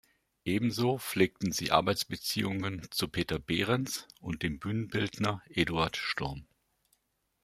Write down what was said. Ebenso pflegten sie Arbeitsbeziehungen zu Peter Behrens und dem Bühnenbildner Eduard Sturm.